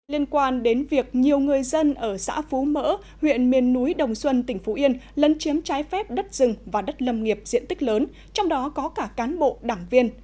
liên quan đến việc nhiều người dân ở xã phú mỡ huyện miền núi đồng xuân tỉnh phú yên lân chiếm trái phép đất rừng và đất lâm nghiệp diện tích lớn trong đó có cả cán bộ đảng viên